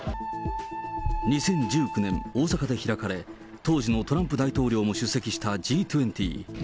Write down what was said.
２０１９年、大阪で開かれ、当時のトランプ大統領も出席したＧ２０。